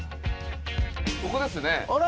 ここですねはい。